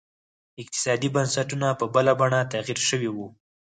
اقتصادي بنسټونه په بله بڼه تغیر شوي وو.